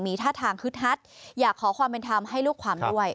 มีท่าทางฮืดฮัดอย่าขอความเป็นทำให้รูปความได้ไว้